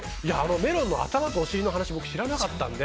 メロンの頭とお尻の話僕知らなかったので。